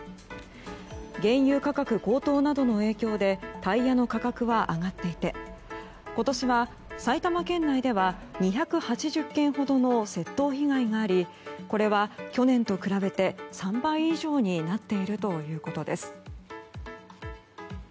原油価格高騰などの影響でタイヤの価格は上がっていて今年は埼玉県内では２８０件ほどの窃盗被害がありこれは、去年と比べて３倍以上になっているということです。